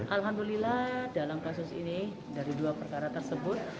alhamdulillah dalam kasus ini dari dua perkara tersebut